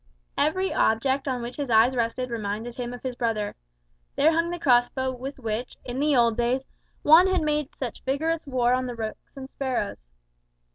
Every object on which his eyes rested reminded him of his brother. There hung the cross bow with which, in old days, Juan had made such vigorous war on the rooks and the sparrows.